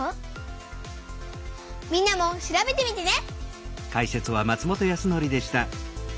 みんなも調べてみてね！